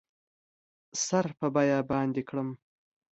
سر په بیابان دې کړم